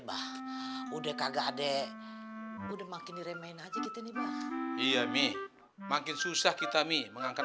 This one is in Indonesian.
bah udah kagak adek udah makin diremehin aja gitu nih bah iya mi makin susah kita mi mengangkat